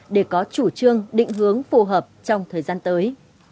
để có chủ trương định hướng phù hợp trong thời gian tới